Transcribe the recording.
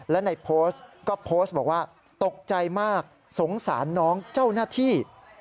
และในโพสต์ก็โพสต์บอกว่าตกใจมากสงสารน้องเจ้าหน้าที่